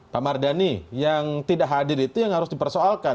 pak mardhani yang tidak hadir itu yang harus dipersoalkan